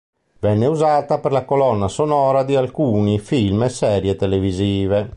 Venne usata per la colonna sonora di alcuni film e serie televisive.